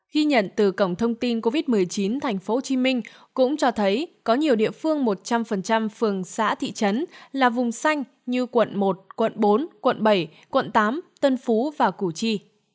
ghi nhận từ cổng thông tin covid một mươi chín thành phố hồ chí minh cũng cho thấy có nhiều địa phương một trăm linh phường xã thị trấn là vùng xanh như quận một quận bốn quận bảy quận tám tân phú và củ chi